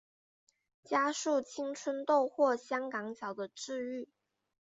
加速青春痘或香港脚的治愈。